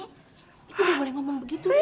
itu gak boleh ngomong begitu doang